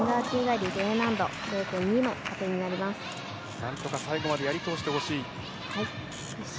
何とか最後までやり通してほしい。